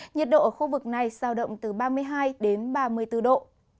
nhiệt độ ở khu vực này sao động từ ba mươi hai đến ba mươi bốn độ